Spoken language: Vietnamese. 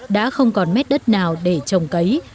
đã không còn mét đất nào để trồng cấy